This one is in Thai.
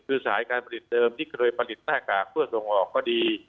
คือสายการผลิตเดิมที่เคยผลิตหน้ากากเพื่อส่งออกก็ดี